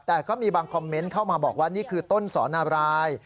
แต่ก็มีบางคอมเมนต์เข้ามาบอกว่านี่คือต้นสอนนาบราย